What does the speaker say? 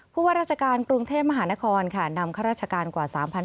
ผู้ว่าราชการกรุงเทพมหานครค่ะนำข้าราชการกว่า๓๕๐๐คนนะครับ